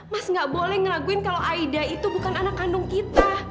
mas gak boleh ngeraguin kalau aida itu bukan anak kandung kita